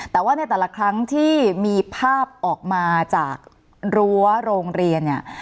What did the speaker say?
แต่ว่าในแต่ละครั้งที่มีภาพออกมาจากรั้วโรงเรียนเนี่ย